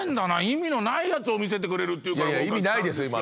意味のないやつを見せてくれるって言うから僕は来たんですけど。